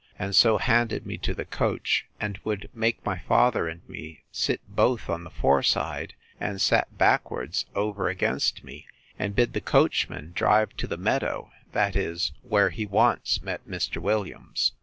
and so handed me to the coach, and would make my father and me sit both on the foreside, and sat backwards, over against me; and bid the coachman drive to the meadow; that is, where he once met Mr. Williams.